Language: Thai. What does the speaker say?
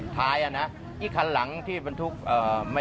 ถ้าละนะอีกคันหลังที่มันทุกข์